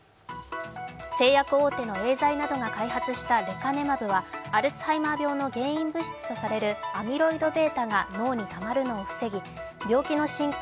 製薬大手のエーザイなどが開発したレカネマブはアルツハイマー病の原因物資とされるアミロイドβが脳にたまるのを防ぎ、病気の進行